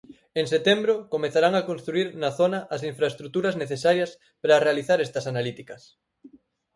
En setembro comezarán a construír na zona as infraestruturas necesarias para realizar estas analíticas.